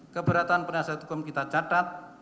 keberatan penasihat hukum kita catat